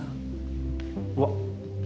うわっ！